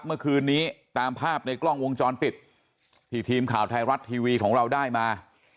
เมื่อคืนนี้ตามภาพในกล้องวงจรปิดที่ทีมข่าวไทยรัฐทีวีของเราได้มา